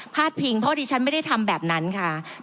พิงเพราะดิฉันไม่ได้ทำแบบนั้นค่ะ